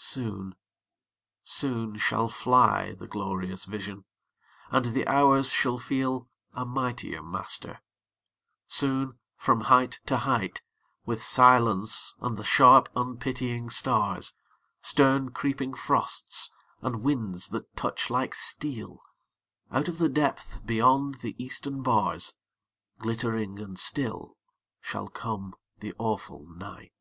Soon, soon shall fly The glorious vision, and the hours shall feel A mightier master; soon from height to height, With silence and the sharp unpitying stars, Stern creeping frosts, and winds that touch like steel, Out of the depth beyond the eastern bars, Glittering and still shall come the awful night.